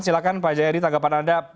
silahkan pak jayadi tanggapan anda